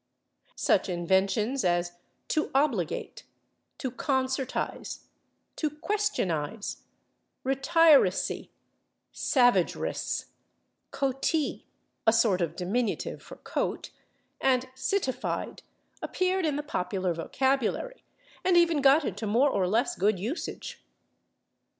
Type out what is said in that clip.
Such inventions as /to obligate/, /to concertize/, /to questionize/, /retiracy/, /savagerous/, /coatee/ (a sort of diminutive for coat) and /citified/ appeared in the popular vocabulary, and even got into more or less good usage.